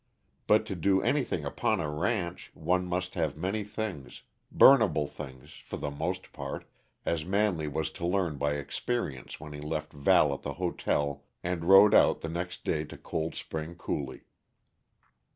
But to do anything upon a ranch, one must have many things burnable things, for the most part, as Manley was to learn by experience when he left Val at the hotel and rode out, the next day, to Cold Spring Coulee.